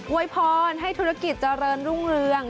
วยพรให้ธุรกิจเจริญรุ่งเรือง